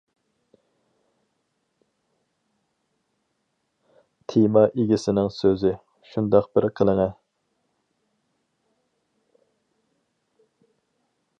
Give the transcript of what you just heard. تېما ئىگىسىنىڭ سۆزى : شۇنداق بىر قىلىڭە!